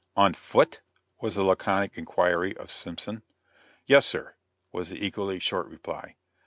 "On foot?" was the laconic inquiry of Simpson. "Yes sir," was the equally short reply.